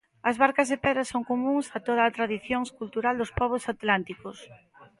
As barcas de pedra son comúns a toda a tradición cultural dos pobos atlánticos.